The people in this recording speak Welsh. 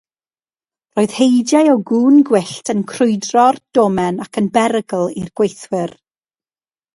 Roedd heidiau o gŵn gwyllt yn crwydro'r domen ac yn berygl i'r gweithwyr.